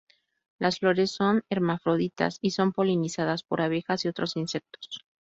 Las flores son hermafroditas y son polinizadas por abejas y otros insectos.